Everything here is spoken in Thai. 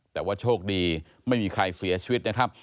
แต่ว่าโชคดีไม่มีใครเสียชีวิตนะครับ